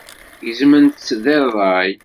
Gezment-tt deg ṛṛay.